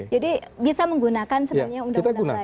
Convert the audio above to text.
jadi bisa menggunakan sebenarnya undang undang lain